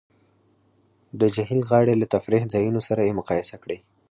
د جهیل غاړې له تفریح ځایونو سره یې مقایسه کړئ